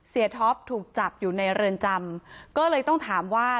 ท็อปถูกจับอยู่ในเรือนจำก็เลยต้องถามว่า